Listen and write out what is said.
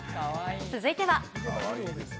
続いては。